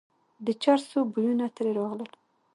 د چرسو بویونه ترې راغلل.